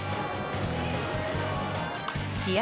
試合